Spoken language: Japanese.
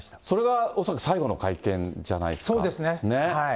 それが恐らく最後の会見じゃないですか。